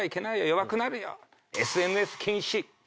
弱くなるよ」